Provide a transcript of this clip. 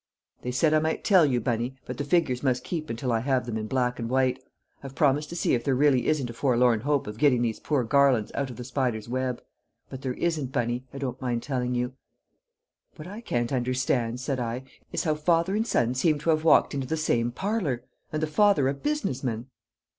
"They said I might tell you, Bunny, but the figures must keep until I have them in black and white. I've promised to see if there really isn't a forlorn hope of getting these poor Garlands out of the spider's web. But there isn't, Bunny, I don't mind telling you." "What I can't understand," said I, "is how father and son seem to have walked into the same parlour and the father a business man!"